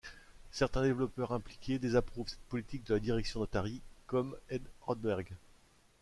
Certains développeurs impliqués désapprouvent cette politique de la direction d'Atari, comme Ed Rodberg.